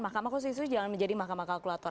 mahkamah konstitusi jangan menjadi mahkamah kalkulator